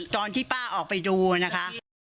ตอนที่ป้าออกไปดูนะคะ